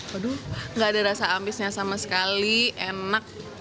waduh gak ada rasa amisnya sama sekali enak